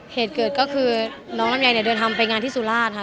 เหตุเกิดก็คือน้องลำไยเนี่ยเดินทางไปงานที่สุราชค่ะ